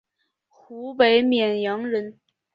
湖北沔阳人。